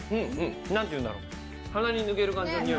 何て言うんだろう、鼻に抜けるにおい。